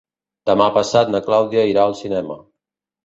Demà passat na Clàudia irà al cinema.